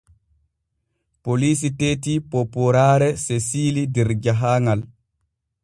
Poliisi teeti poopooraare Sesiili der jahaaŋal.